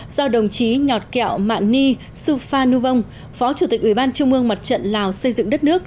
do đồng chí nhọt kẹo mạng ni suphanuvong phó chủ tịch ủy ban trung ương mặt trận lào xây dựng đất nước